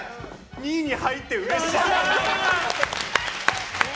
２位に入ってうれしい！